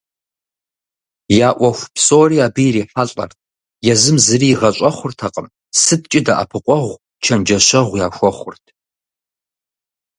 Я ӏуэху псори абы ирахьэлӏэрт, езыми зыри игъэщӏэхъуртэкъым, сыткӏи дэӏэпыкъуэгъу, чэнджэщэгъу яхуэхъурт.